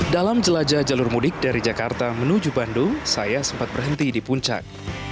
dalam jelajah jalur mudik dari jakarta menuju bandung saya sempat berhenti di puncak